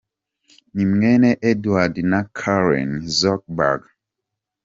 Ni mwene Edward na Karen Zuckerberg.